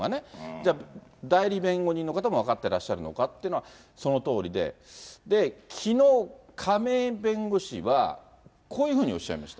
じゃあ、代理弁護人の方も分かってらっしゃるのかっていうのはそのとおりで、で、きのう亀井弁護士は、こういうふうにおっしゃいました。